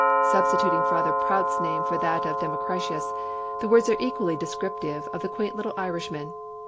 Substituting Father Prout's name for that of Democritus, the words are equally descriptive of the quaint little Irishman.